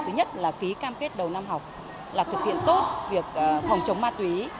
thứ nhất là ký cam kết đầu năm học là thực hiện tốt việc phòng chống ma túy